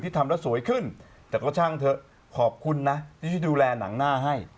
ทำแล้วสวยขึ้นแต่ก็ช่างเถอะขอบคุณนะที่ดูแลหนังหน้าให้